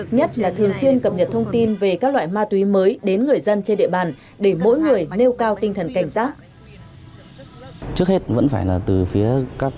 nhất là thường xuyên cập nhật thông tin về các loại ma túy mới đến người dân trên địa bàn